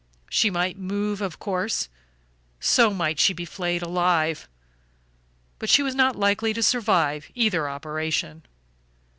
She might move, of course; so might she be flayed alive; but she was not likely to survive either operation.